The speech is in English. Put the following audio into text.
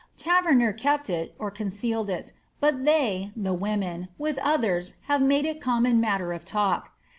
Taverner kept it (con cealed it), but they (the women") with others have made it common matter of talk.